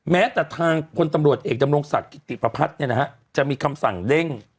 แม้แต่ทางคนตำรวจเอกจำรวงศาสตร์กิตติปภัทรเนี้ยนะฮะจะมีคำสั่งเด้ง